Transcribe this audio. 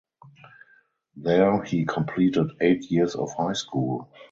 There he completed eight years of high school.